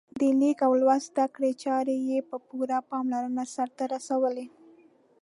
د لیک او لوست زده کړې چارې یې په پوره پاملرنه سرته رسولې.